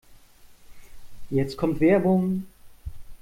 Jetzt kommt Werbung.